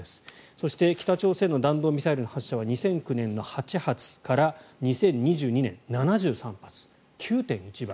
そして北朝鮮の弾道ミサイルの発射が２００９年の８発から２０２２年、７３発９．１倍。